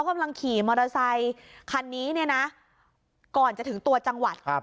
กำลังขี่มอเตอร์ไซคันนี้เนี่ยนะก่อนจะถึงตัวจังหวัดครับ